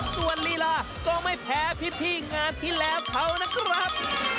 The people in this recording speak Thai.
ส่วนลีลาก็ไม่แพ้พี่งานที่แล้วเขานะครับ